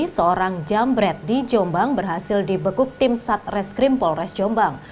seorang jambret di jombang berhasil dibekuk tim satreskrim polres jombang